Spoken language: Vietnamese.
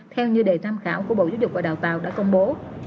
theo như đề tham khảo của bộ giáo dục và đào tạo đã công bố